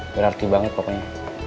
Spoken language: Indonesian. berarti banget pokoknya